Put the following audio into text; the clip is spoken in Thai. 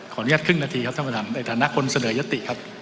อนุญาตครึ่งนาทีครับท่านประธานในฐานะคนเสนอยติครับ